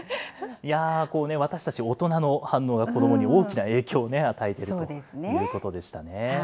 私たち、大人の反応が子どもに大きな影響を与えているということでしたね。